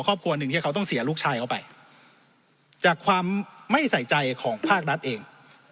ครอบครัวหนึ่งที่เขาต้องเสียลูกชายเขาไปจากความไม่ใส่ใจของภาครัฐเอง